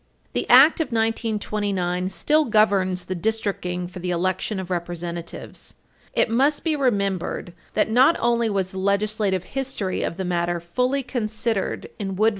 287 U.S. at 287 U. S. 8. The Act of 1929 still governs the districting for the election of Representatives. It must be remembered that not only was the legislative history of the matter fully considered in Wood v.